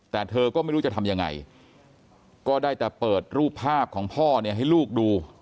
แต่เธอก็ไม่รู้จะทำยังไงก็ได้แต่เปิดรูปภาพของพ่อเนี่ยให้ลูกดู